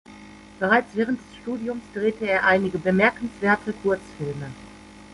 Bereits während des Studiums drehte er einige bemerkenswerte Kurzfilme.